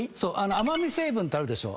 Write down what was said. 甘味成分ってあるでしょ。